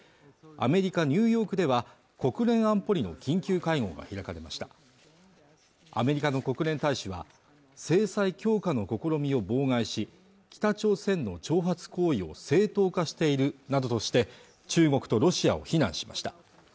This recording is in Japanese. アメリカニューヨークでは国連安保理の緊急会合が開かれましたアメリカの国連大使は制裁強化の試みを妨害し北朝鮮の挑発行為を正当化しているなどとして中国とロシアを非難しました